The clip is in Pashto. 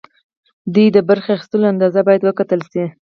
دوی د برخې اخیستلو اندازه باید وکتل شي.